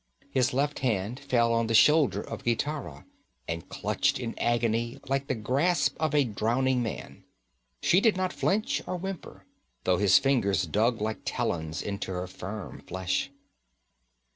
His left hand fell on the shoulder of Gitara and clutched in agony like the grasp of a drowning man. She did not flinch or whimper, though his fingers dug like talons into her firm flesh.